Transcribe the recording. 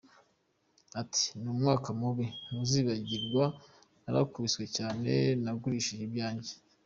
Ati “Ni umwaka mubi ntazibagirwa, narakubititse cyane, nagurishije ibyanjye…”.